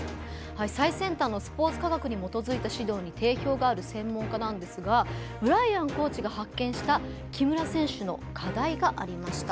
最先端のスポーツ科学に基づいた指導に定評がある専門家なんですがブライアンコーチが発見した木村選手の課題がありました。